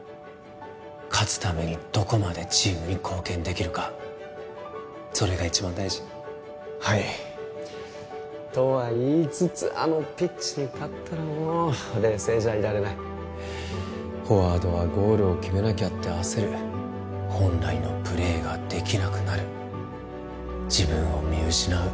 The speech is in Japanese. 勝つためにどこまでチームに貢献できるかそれが一番大事はいとは言いつつあのピッチに立ったらもう冷静じゃいられないフォワードはゴールを決めなきゃって焦る本来のプレーができなくなる自分を見失う